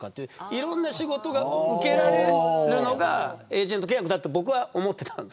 いろんな仕事を受けられるのがエージェント契約だと思っていたんです。